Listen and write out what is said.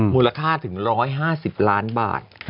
มูลค่าถึง๑๕๐ล้านบาท